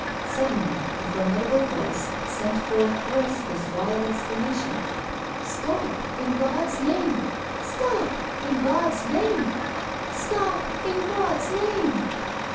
Suddenly, a formidable voice sent forth thrice this wild exclamation: "Stop, in God's name! Stop, in God's name! Stop, in God's name!"